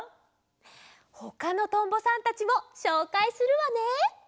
ほかのとんぼさんたちもしょうかいするわね。